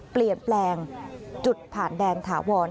เปลี่ยนแปลงจุดผ่านแดนถาวร